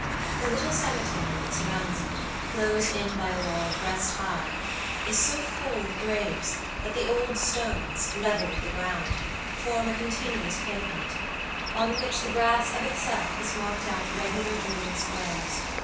The little cemetery that surrounds it, closed in by a wall breast high, is so full of graves that the old stones, level with the ground, form a continuous pavement, on which the grass of itself has marked out regular green squares.